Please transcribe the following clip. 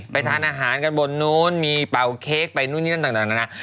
ทานอาหารกันบนนู้นมีเป่าเค้กไปนู่นนี่นั่นต่างนานา